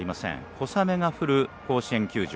小雨が降る甲子園球場。